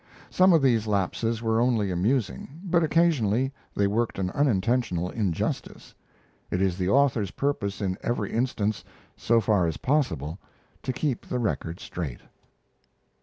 Some of these lapses were only amusing, but occasionally they worked an unintentional injustice. It is the author's purpose in every instance, so far as is possible, to keep the record straight.